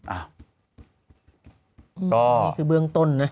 อันนี้คือเบื้องต้นนะ